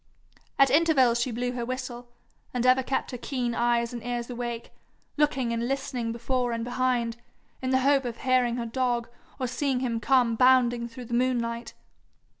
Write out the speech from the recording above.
At intervals she blew her whistle, and ever kept her keen eyes and ears awake, looking and listening before and behind, in the hope of hearing her dog, or seeing him come bounding through the moonlight.